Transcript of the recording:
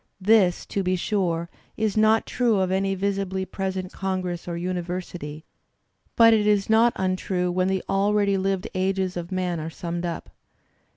This, to be sure, is not true of any visibly present congress or university, but it is not untrue when the already lived ages of man are summed up.